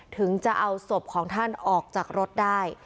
ถึงจะเอาศพของท่านออกจากรถได้